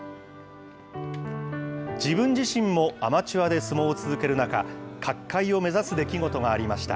自分自身もアマチュアで相撲を続ける中、角界を目指す出来事がありました。